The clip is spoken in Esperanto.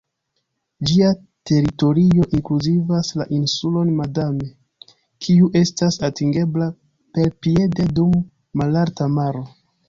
Ĝia teritorio inkluzivas la insulon Madame, kiu estas atingebla perpiede dum malalta maro.